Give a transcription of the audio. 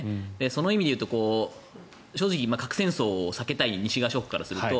その意味で言うと正直、核戦争を避けたい西側諸国からすると